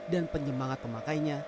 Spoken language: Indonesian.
dan penyemangat pemakainya